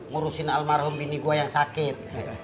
ngurusin almarhum ini gue yang sakit